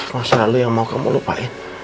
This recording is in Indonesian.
masalah lu yang mau kamu lupain